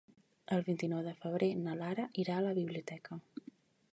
El vint-i-nou de febrer na Lara irà a la biblioteca.